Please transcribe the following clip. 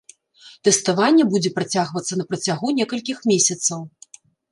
Тэставанне будзе працягвацца на працягу некалькіх месяцаў.